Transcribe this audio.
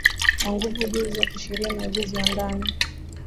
wa nguvu ujuzi wa kisheria na ujuzi wa ndani